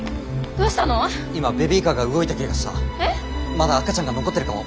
まだ赤ちゃんが残ってるかも。